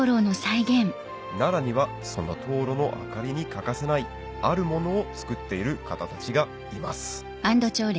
奈良にはその燈籠の明かりに欠かせないあるものを作っている方たちがいます